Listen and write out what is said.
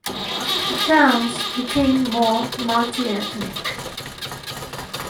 The towns became more multiethnic.